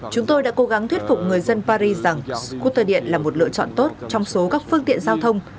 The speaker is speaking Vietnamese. chúng tôi đã cố gắng thuyết phục người dân paris rằng scooter điện là một lựa chọn tốt trong số các phương tiện giao thông